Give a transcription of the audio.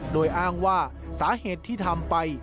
โดยอ้างว่าสาเหตุที่ทำไป